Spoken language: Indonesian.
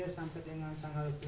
sampai dengan tanggal dua puluh empat